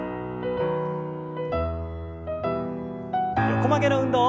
横曲げの運動。